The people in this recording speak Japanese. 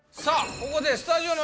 ここでスタジオの皆さん